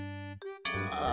ああ。